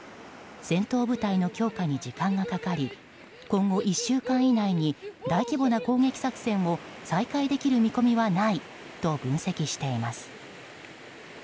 戦闘部隊の強化に時間がかかり今後１週間以内に大規模な攻撃作戦を再開できる見込みはないと分析しています。